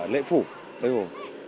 lễ phủ tây hồ